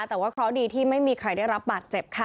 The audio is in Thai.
แต่ว่าเคราะห์ดีที่ไม่มีใครได้รับบาดเจ็บค่ะ